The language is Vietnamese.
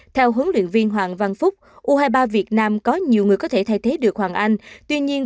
theo huấn luyện viên hoàng văn phúc u hai mươi ba việt nam có nhiều người có thể thay thế được hoàng anh tuy nhiên